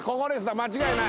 間違いない。